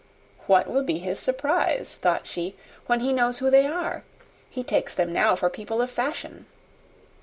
"What will be his surprise," thought she, "when he knows who they are! He takes them now for people of fashion."